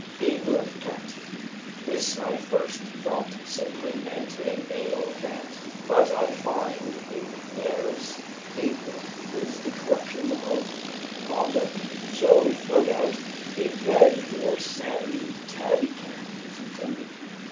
Abram cat. This I first thought simply meant a male cat; but I find in Nares, "Abram" is the corruption of "auburn," so, no doubt, a red or sandy tabby cat is intended.